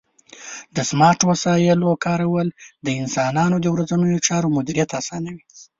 د سمارټ وسایلو کارول د انسانانو د ورځنیو چارو مدیریت اسانوي.